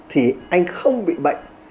thì anh không bị bệnh